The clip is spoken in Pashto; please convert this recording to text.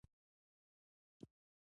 خټکی زیات وخت د کور مېلمستیا کې کارېږي.